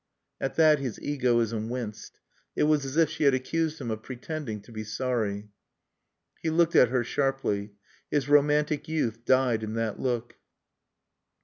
At that his egoism winced. It was as if she had accused him of pretending to be sorry. He looked at her sharply. His romantic youth died in that look.